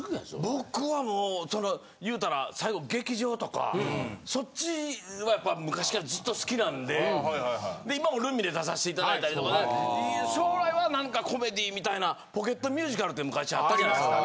僕はもう言うたら最後劇場とかそっちはやっぱ昔からずっと好きなんでで今もルミネ出させていただいたりとかで将来はなんかコメディーみたいな『ポケットミュージカルス』って昔あったじゃないですか。